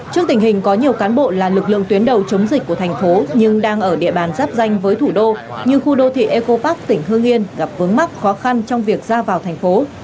trước tình hình có nhiều cán bộ là lực lượng tuyến đầu chống dịch của thành phố nhưng đang ở địa bàn giáp danh với thủ đô như khu đô thị eco park tỉnh hương yên gặp vướng mắc khó khăn trong việc ra vào thành phố